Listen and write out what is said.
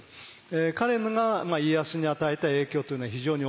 彼が家康に与えた影響というのは非常に大きかったと思います。